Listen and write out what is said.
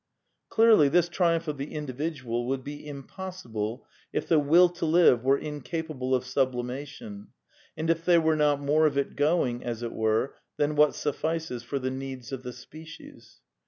Clearly, this triumph of the individual would be im possible if the Will to live were incapable of sublimation, and if there were not more of it going, as it were, than what suffices for the needs of the species.